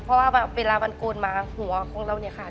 เพราะว่าเวลามันโกนมาหัวของเราเนี่ยขาด